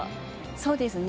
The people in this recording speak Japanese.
そうですね